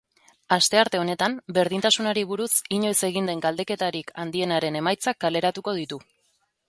Astearte honetan, berdintasunari buruz inoiz egin den galdeketarik handienaren emaitzak kaleratuko ditu.